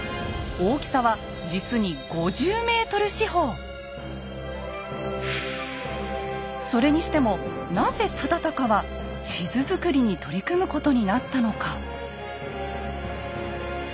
大きさは実にそれにしてもなぜ忠敬は地図作りに取り組むことになったのか。